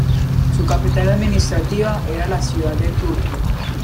Su capital administrativa era la ciudad de Turku.